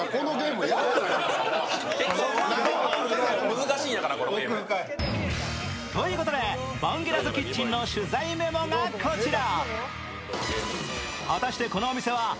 難しいんやから、このゲーム。ということでバンゲラズキッチンの取材メモがこちら。